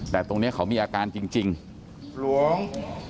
แต่ตรงนี้เขามีอาการจริง